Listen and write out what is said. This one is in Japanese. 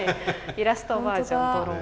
イラストバージョンドローン。